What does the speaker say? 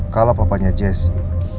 kalau papanya jesse